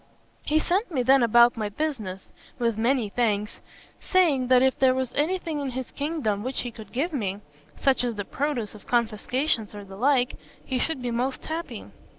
He sent me then about my business, with many thanks; saying, that if there was any thing in his kingdom which he could give me such as the produce of confiscations or the like he should be most happy.